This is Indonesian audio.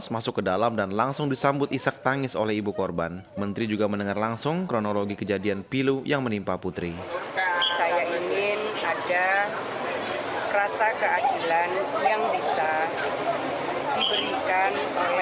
baik kepada korban maupun kepada keluarga korban